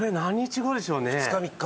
２日３日？